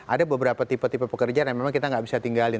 ada beberapa tipe tipe pekerjaan yang memang kita nggak bisa tinggalin